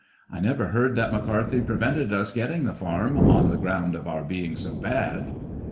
I never heard that McCarthy prevented us getting the farm, on the ground of our being so bad.